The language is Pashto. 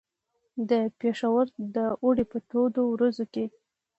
د پېښور د اوړي په تودو ورځو کې.